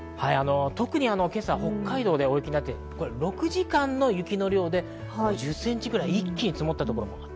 特に今朝、北海道で大雪になって、６時間の雪の量で５０ｃｍくらい、一気に積もった所も。